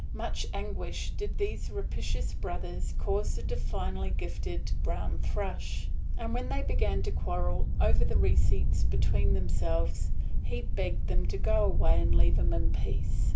Much anguish did these rapacious brothers cause the divinely gifted brown thrush, and when they began to quarrel over the receipts between themselves, he begged them to go away and leave him in peace.